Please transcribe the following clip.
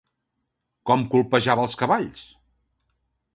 Com colpejava els cavalls?